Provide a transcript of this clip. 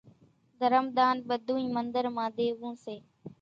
ڌرم ۮان ٻڌونئين منۮر مان ۮيوون سي۔